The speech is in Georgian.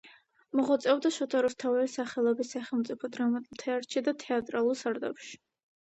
მოღვაწეობდა შოთა რუსთაველის სახელობის სახელმწიფო დრამატული თეატრში და თეატრალურ სარდაფში.